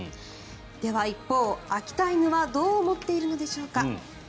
では、一方、秋田犬はどう思っているのでしょうか。